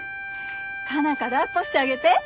佳奈花だっこしてあげて。